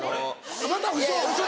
またウソ？